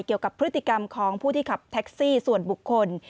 เกี่ยวกับพฤติกรรมของผู้ที่ขับแท็กซี่ส่วนบุคคล